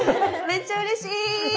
めっちゃうれしい！